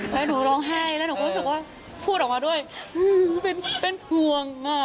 แล้วหนูร้องไห้แล้วหนูก็รู้สึกว่าพูดออกมาด้วยเป็นห่วง